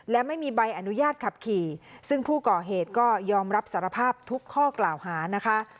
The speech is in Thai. และไม่มีใบอนุญาตขับขี่ซึ่งผู้ก่อเหตุก็ยอมรับสารภาพทุกข้อกล่าวหานะคะ